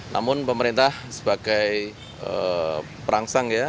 namun pemerintah sebagai perangsang ya